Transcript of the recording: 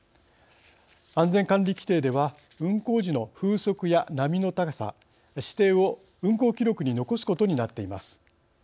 安全管理規程では運航時の風速や波の高さ視程を運航記録に残すことになっています。